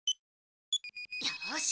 よし。